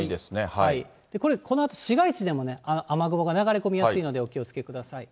、これ、このあと市街地でも、雨雲が流れ込みやすいので、お気をつけください。